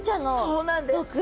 そうなんです。